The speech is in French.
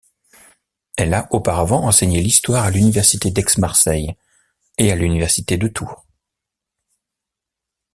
Elle a auparavant enseigné l'histoire à l'Université d'Aix-Marseille, et à l'université de Tours.